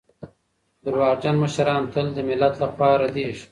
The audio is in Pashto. درواغجن مشران تل د ملت له خوا ردېږي.